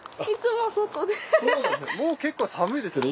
もう結構寒いですよね